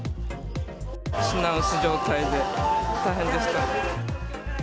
品薄状態で大変でした。